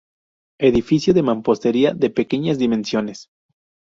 Edificio de mampostería de pequeñas dimensiones.